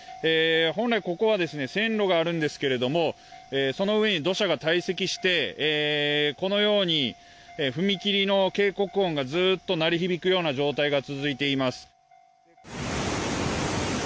本来、ここは線路があるんですけれどもその上に土砂が堆積してこのように、踏切の警告音がずっと鳴り響くような状態が続いています。